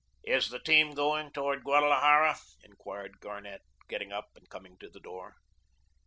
"Is the team going towards Guadalajara?" enquired Garnett, getting up and coming to the door.